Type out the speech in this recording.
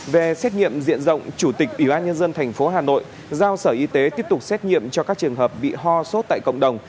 về xét nghiệm diện rộng chủ tịch ubnd tp hà nội giao sở y tế tiếp tục xét nghiệm cho các trường hợp bị ho sốt tại cộng đồng